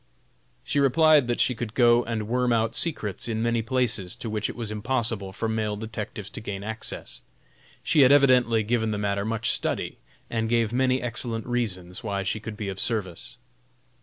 She replied that she could go and worm out secrets in many places to which it was impossible for male detectives to gain access. She had evidently given the matter much study, and gave many excellent reasons why she could be of service.